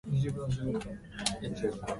喉が渇いた。